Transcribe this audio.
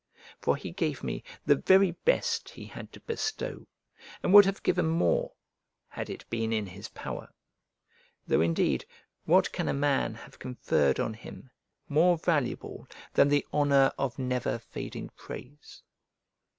For he gave me the very best he had to bestow, and would have given more had it been in his power. Though indeed what can a man have conferred on him more valuable than the honour of never fading praise?